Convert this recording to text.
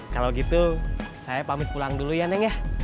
kalau gitu saya pamit pulang dulu ya neng ya